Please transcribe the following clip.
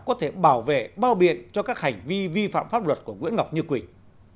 có thể bảo vệ bao biện cho các hành vi vi phạm pháp luật của nguyễn ngọc như quỳnh